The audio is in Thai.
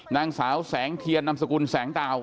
นางสาวแสงเทียนนามสกุลแสงดาว